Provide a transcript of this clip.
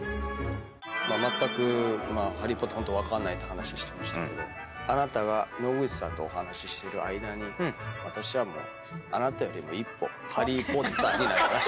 まったく『ハリー・ポッター』ホント分かんないって話してましたがあなたが野口さんとお話ししてる間に私はもうあなたよりも一歩ハリー・ポッターになりました。